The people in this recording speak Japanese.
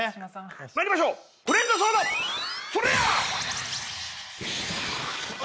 まいりましょうフレンドソードそりゃっ！